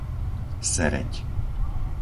Sereď